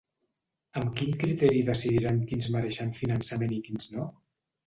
Amb quin criteri decidiran quins mereixen finançament i quins no?